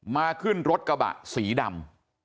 ขึ้นรถกระบะสีดำ